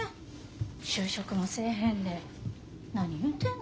就職もせえへんで何言うてんの。